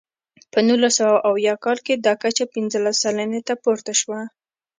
په نولس سوه اویا کال کې دا کچه پنځلس سلنې ته پورته شوه.